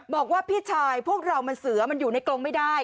บอกว่าพี่ชายพวกเรามันเสือมันอยู่ในกรงไม่ได้